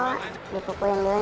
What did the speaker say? baru dimasukin ke mobil forex